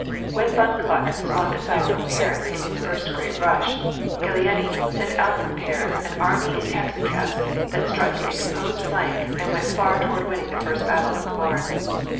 When von Kluck swung aside from Paris in his first great rush, Gallieni sent out from Paris an army in taxicabs that struck the exposed flank and went far toward winning the first battle of the Marne.